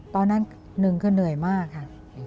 ตอนนั้นหนึ่งคือเหนื่อยมากค่ะ